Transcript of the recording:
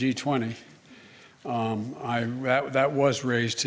itu yang dikatakan hari ini